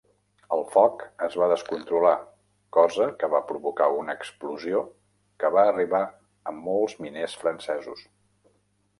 El foc es va descontrolar, cosa que va provocar una explosió que va arribar a molts miners francesos.